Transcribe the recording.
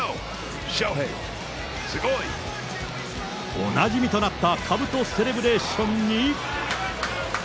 おなじみとなったかぶとセレブレーションに。